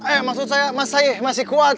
eh maksud saya mas masih kuat